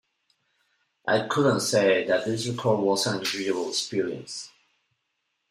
I couldn't say that this record was an enjoyable experience.